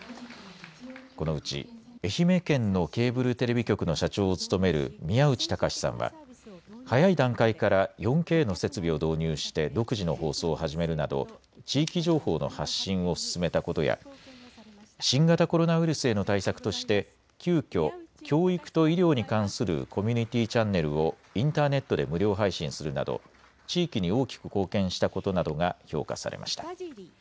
このうち、愛媛県のケーブルテレビ局の社長を務める宮内隆さんは、早い段階から４Ｋの設備を導入して独自の放送を始めるなど、地域情報の発信を進めたことや、新型コロナウイルスへの対策として、急きょ、教育と医療に関するコミュニティチャンネルをインターネットで無料配信するなど、地域に大きく貢献したことなどが評価されました。